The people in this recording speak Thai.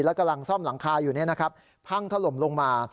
และกำลังซ่อมหลังคาอยู่พังถล่มลงมา